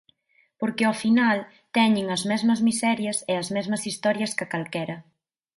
Porque ao final teñen as mesmas miserias e as mesmas historias ca calquera.